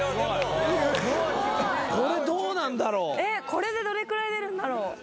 これでどれくらい出るんだろう？